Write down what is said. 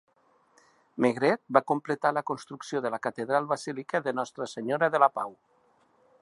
Maigret va completar la construcció de la catedral basílica de Nostra Senyora de La Pau.